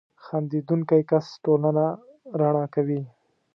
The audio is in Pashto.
• خندېدونکی کس ټولنه رڼا کوي.